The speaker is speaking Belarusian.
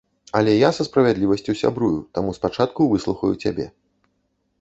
Але я са справядлівасцю сябрую, таму спачатку выслухаю цябе.